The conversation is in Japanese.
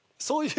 そう。